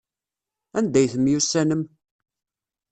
Anda ay temyussanem?